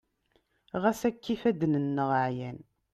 ɣas akka ifadden-nneɣ ɛyan